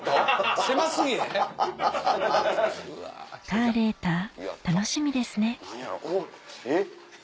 カーレーター楽しみですねえっ？